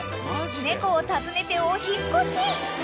［猫を訪ねてお引っ越し］